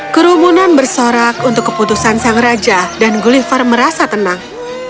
kerumunan bersorak untuk keputusan sang raja dan gulliver merasa tenang